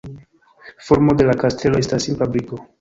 Formo de la kastelo estas simpla briko.